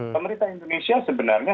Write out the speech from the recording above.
pemerintah indonesia sebenarnya